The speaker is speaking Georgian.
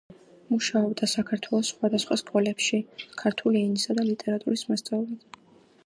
მუშაობდა საქართველოს სხვადასხვა სკოლებში, ქართული ენისა და ლიტერატურის მასწავლებლად.